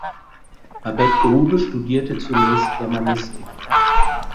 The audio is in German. Babett Grube studierte zunächst Germanistik.